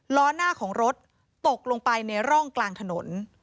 ล้อหน้าของรถตกลงไปในร่องกลางถนน